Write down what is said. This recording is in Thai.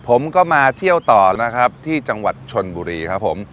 ผมก็มาเที่ยวต่อนะครับที่จังหวัดชนบุรีครับผม